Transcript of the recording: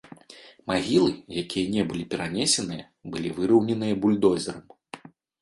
Магілы, якія не былі перанесеныя, былі выраўненыя бульдозерам.